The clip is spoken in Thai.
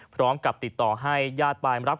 พร้อมกับติดต่อให้ยาดปลาย